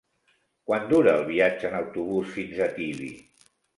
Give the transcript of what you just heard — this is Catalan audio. Quant dura el viatge en autobús fins a Tibi?